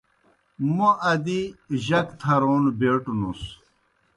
موْ ادی جک تھرون بیٹوْنُس۔